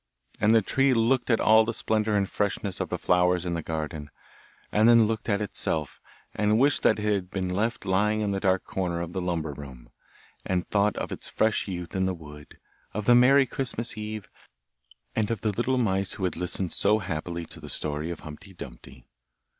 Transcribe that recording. And the tree looked at all the splendour and freshness of the flowers in the garden, and then looked at itself, and wished that it had been left lying in the dark corner of the lumber room; it thought of its fresh youth in the wood, of the merry Christmas Eve, and of the little mice who had listened so happily to the story of Humpty Dumpty.